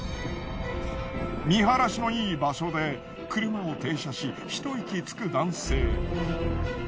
見晴らしのいい場所で車を停車しひと息つく男性。